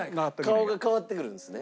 顔が変わってくるんですね。